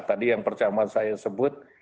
tadi yang pertama saya sebut